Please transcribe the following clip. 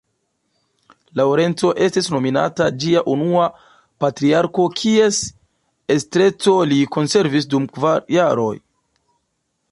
Laŭrenco estis nomumita ĝia unua patriarko kies estreco li konservis dum kvar jaroj.